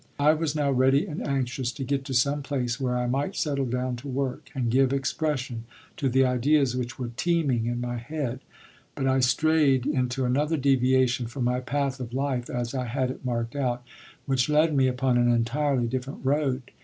I was now ready and anxious to get to some place where I might settle down to work, and give expression to the ideas which were teeming in my head; but I strayed into another deviation from my path of life as I had it marked out, which led me upon an entirely different road.